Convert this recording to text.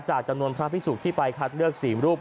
จำนวนพระพิสุกที่ไปคัดเลือก๔รูป